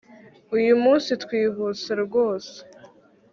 Uyu munsi twihuse rwose